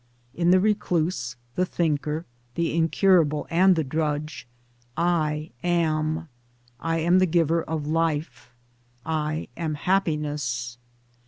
In the recluse, the thinker, the incurable and the drudge, I AM. I am the giver of Life, I am Happiness.